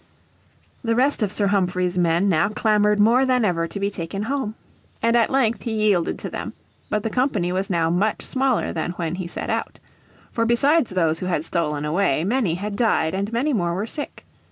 The rest of Sir Humphrey's men now clamoured more than ever to be taken home. And at length he yielded to them. But the company was now much smaller than when he set out. For besides those who had stolen away, many had died and many more were sick.